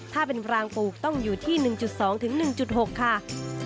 ถ้าเป็นรางปลูกต้องอยู่ที่๑๒๑๖ค่ะ